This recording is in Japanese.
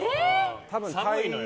寒いのよ。